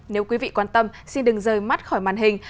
nếu quý vị quan tâm xin đừng rời mắt khỏi màn hình